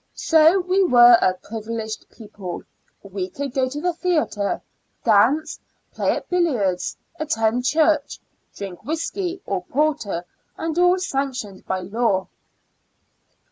So we were a privileged people; we could go to the theatre, dance, play at billiards, attend church, drink whiskey or porter, and all sanctioned by law.